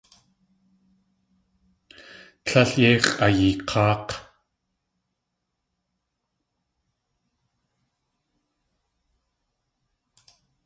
Líl yéi x̲ʼayeek̲áak̲!